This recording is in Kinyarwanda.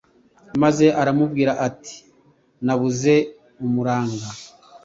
maze aramubwira ati: “Nabuze umuranga.